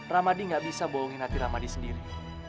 ramadi nggak bisa bohongin hati ramadi sendiri